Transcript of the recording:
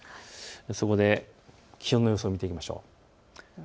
そこで気温の予想を見ていきましょう。